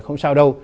không sao đâu